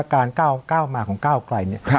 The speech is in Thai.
การก้าวมาของก้าวกลัยเนี่ย